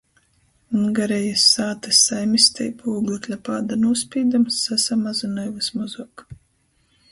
Ungarejis sātys saimisteibu ūglekļa pāda nūspīdums sasamazynoj vysmozuok.